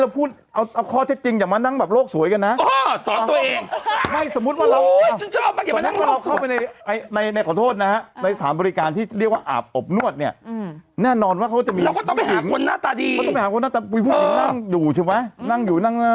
พี่หนุ่มลงพื้นที่หน่อย